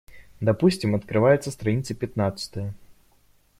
Допустим, открывается страница пятнадцатая.